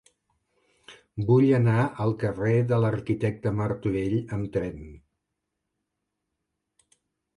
Vull anar al carrer de l'Arquitecte Martorell amb tren.